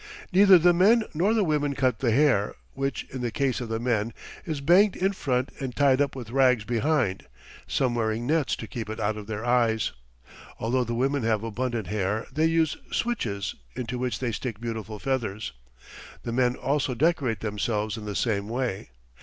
Neither the men nor the women cut the hair, which, in the case of the men, is banged in front and tied up with rags behind, some wearing nets to keep it out of their eyes. Although the women have abundant hair they use "switches," into which they stick beautiful feathers. The men also decorate themselves in the same way.